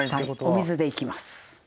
お水でいきます。